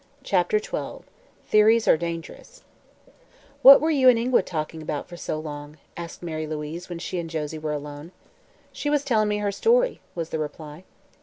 CHAPTER XII THEORIES ARE DANGEROUS "What were you and Ingua talking about for so long?" asked Mary Louise, when she and Josie were alone. "She was telling me her story," was the reply.